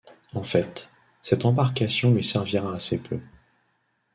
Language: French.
En fait, cette embarcation lui servira assez peu.